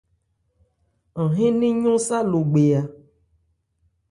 An hɛ́n nnɛn yɔ́n sâ Logbe a.